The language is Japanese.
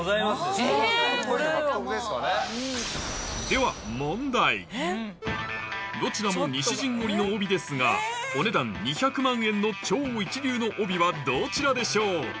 ではどちらも西陣織の帯ですがお値段２００万円の超一流の帯はどちらでしょう？